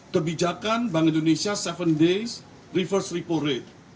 kebijakan bank indonesia tujuh days reverse repo rate